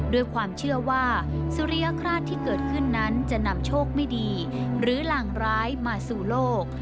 ด้วยความเชื่อว่าสุริยคราชที่เกิดขึ้นนั้นจะนำโชคไม่ดีหรือหลังร้ายมาสู่โลก